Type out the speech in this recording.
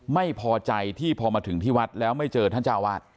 ไม่พอใจที่พอมาถึงที่วัดแล้วไม่เจอท่านเจ้าวาด